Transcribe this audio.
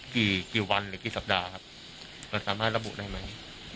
กี่กี่วันหรือกี่สัปดาห์ครับมันสามารถระบุได้ไหม